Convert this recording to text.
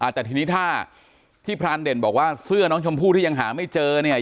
แต่ทีนี้ถ้าที่พรานเด่นบอกว่าเสื้อน้องชมพู่ที่ยังหาไม่เจอเนี่ย